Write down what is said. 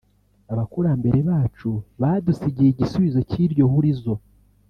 Abakurambere bacu badusigiye igisubizo cy’iryo hurizo